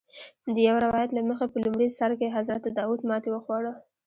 د یو روایت له مخې په لومړي سر کې حضرت داود ماتې وخوړه.